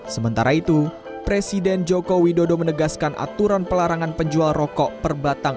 sementara itu presiden joko widodo menegaskan aturan pelarangan penjual rokok perbatang